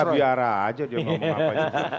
enggak biar aja dia ngomong apa apa gitu